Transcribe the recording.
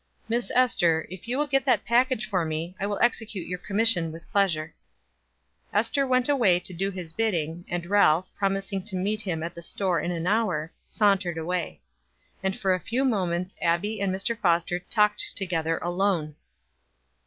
Miss Ester, if you will get that package for me I will execute your commission with pleasure." Ester went away to do his bidding, and Ralph, promising to meet him at the store in an hour, sauntered away, and for a few moments Abbie and Mr. Foster talked together alone.